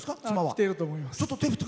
来てると思います。